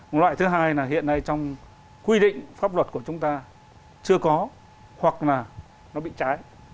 một loại thứ hai là hiện nay trong quy định pháp luật của chúng ta chưa có hoặc là nó bị trái